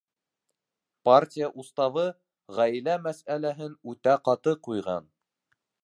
Партия уставы ғаилә мәсьәләһен үтә ҡаты ҡуйған.